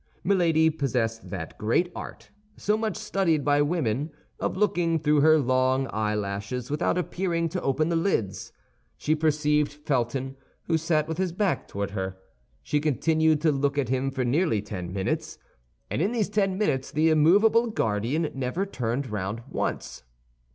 Milady possessed that great art, so much studied by women, of looking through her long eyelashes without appearing to open the lids. She perceived Felton, who sat with his back toward her. She continued to look at him for nearly ten minutes, and in these ten minutes the immovable guardian never turned round once.